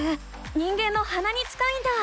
人間のはなに近いんだ！